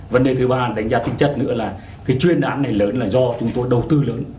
vấn đề thứ ba đánh giá tính chất nữa là cái chuyên án này lớn là do chúng tôi đầu tư lớn